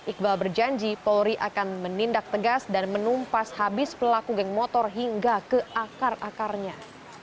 iqbal berjanji polri akan menindak tegas dan menumpas habis pelaku geng motor hingga ke akar akarnya